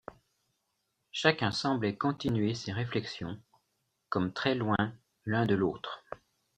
Chacun semblait continuer ses réflexions, comme très loin l’un de l’autre.